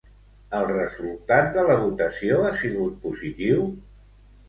El resultat de la votació ha sigut positiu?